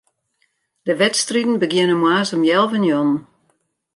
De wedstriden begjinne moarns om healwei njoggenen.